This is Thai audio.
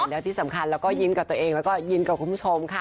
แล้วที่สำคัญเราก็ยิ้มกับตัวเองแล้วก็ยิ้มกับคุณผู้ชมค่ะ